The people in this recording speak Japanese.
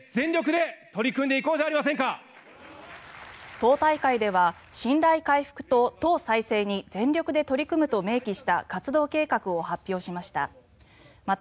党大会では信頼回復と党再生に全力で取り組むと明記した活動計画を発表しました。